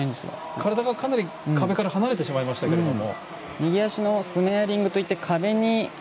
体がかなり壁から離れてしまいましたけども。